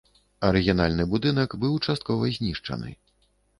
Арыгінальны будынак быў часткова знішчаны.